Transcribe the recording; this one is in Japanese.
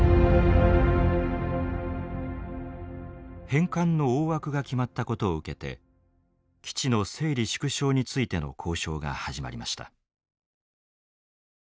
返還の大枠が決まったことを受けて基地の整理縮小についての交渉が始まりました。